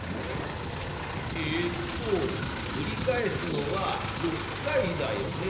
えっと繰り返すのは６回だよね。